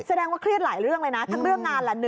ว่าเครียดหลายเรื่องเลยนะทั้งเรื่องงานละ๑